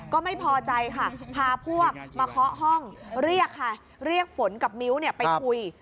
ก็ไม่พอใจค่ะพาพวกมาเคาะห้องเรียกค่ะเรียกฝนกับมิ้วไปคุย